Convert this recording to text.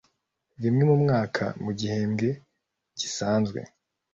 rimwe mu mwaka mu gihembwe gisanzwe